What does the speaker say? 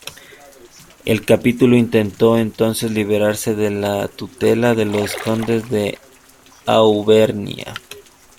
El capítulo intentó entonces liberarse de la tutela de los condes de Auvernia.